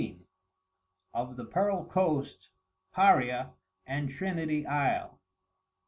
_Of the _Pearl Coast, PARIA, and TRINITY ISLE.